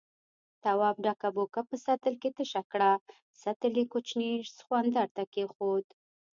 تواب ډکه بوکه په سطل کې تشه کړه، سطل يې کوچني سخوندر ته کېښود.